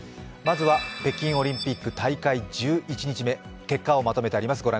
まずは北京オリンピック大会１１日目結果をまとめてあります。